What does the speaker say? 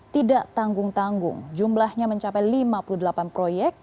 tidak tanggung tanggung jumlahnya mencapai lima puluh delapan proyek